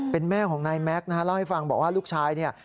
เป็นแม่ของนายแม็กซ์นะฮะเล่าให้ฟังบอกว่าลูกชายเนี่ย